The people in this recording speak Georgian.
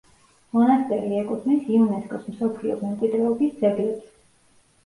მონასტერი ეკუთვნის იუნესკოს მსოფლიო მემკვიდრეობის ძეგლებს.